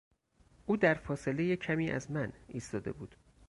او در فاصله کمی از من ایستاده بود.